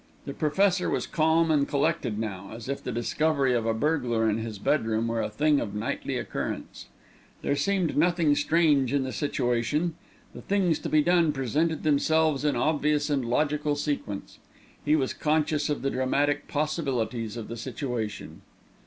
The Professor was calm and collected now, as if the discovery of a burglar in his bedroom were a thing of nightly occurrence. There seemed nothing strange in the situation. The things to be done presented themselves in obvious and logical sequence. He was conscious of the dramatic possibilities of the situation.